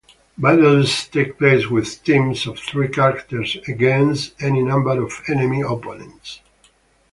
Battles take place with teams of three characters against any number of enemy opponents.